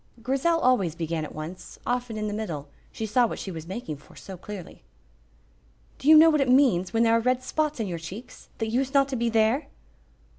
Grizel always began at once, often in the middle, she saw what she was making for so clearly. "Do you know what it means when there are red spots in your cheeks, that used not to be there?"